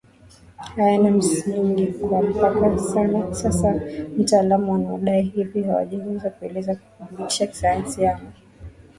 hayana msingi kwani mpaka sasa wataalamu wanaodai hivi hawajaweza kueleza na kuthibitisha kisayansi ama